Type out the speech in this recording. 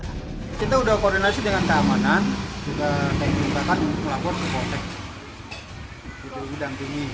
kita udah koordinasi dengan keamanan kita ingin melakukan melakukannya